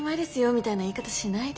みたいな言い方しないで。